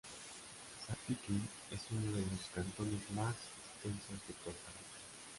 Sarapiquí es uno de los cantones más extensos de Costa Rica.